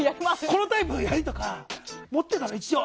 このタイプのやりとか持ってたの、一応。